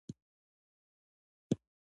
آیا د قمرۍ خلی به دا ځل په ونې کې پاتې شي؟